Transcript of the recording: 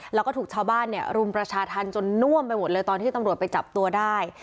แล้วก็ถูกชาวบ้านเนี่ยรุมประชาธรรมจนน่วมไปหมดเลยตอนที่ตำรวจไปจับตัวได้